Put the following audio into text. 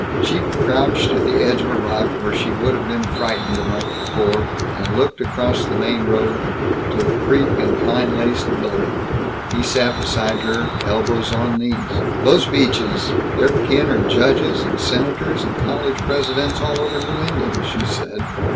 She crouched at the edge of a rock, where she would have been frightened, a month before, and looked across the main road to a creek in a pine laced gully. He sat beside her, elbows on knees. "Those Beaches their kin are judges and senators and college Presidents, all over New England," she said.